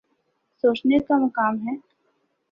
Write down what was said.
سوچنے کا مقام ہے۔